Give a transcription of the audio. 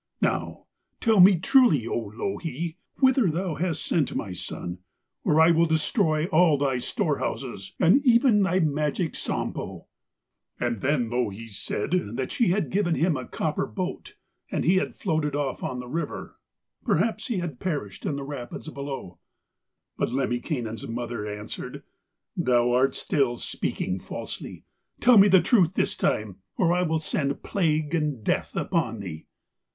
Now, tell me truly, O Louhi, whither thou hast sent my son, or I will destroy all thy storehouses and even thy magic Sampo.' And then Louhi said that she had given him a copper boat, and he had floated off on the river; perhaps he had perished in the rapids below. But Lemminkainen's mother answered: 'Thou art still speaking falsely. Tell me the truth this time, or I will send plague and death upon thee.'